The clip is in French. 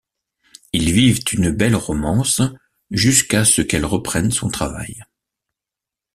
Ils vivent une belle romance jusqu'à ce qu'elle reprenne son travail.